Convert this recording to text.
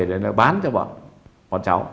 để nó bán cho bọn cháu